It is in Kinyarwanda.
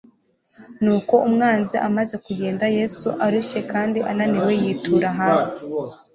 Nuko umwanzi amaze kugenda, Yesu arushye kandi ananiwe yitura hasi.